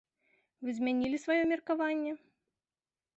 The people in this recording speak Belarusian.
Вы змянілі сваё меркаванне?